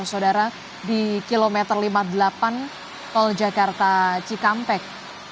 saudara di kilometer lima puluh delapan tol jakarta cikampek